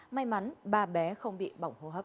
may mắn ba bé không bị bỏng hô hấp